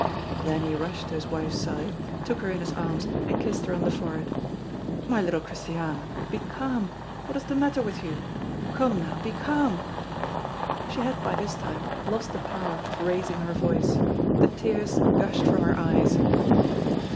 Then he rushed to his wife's side, took her in his arms, and kissed her on the forehead: "My little Christiane, be calm! What is the matter with you? come now, be calm!" She had by this time lost the power of raising her voice. The tears gushed from her eyes.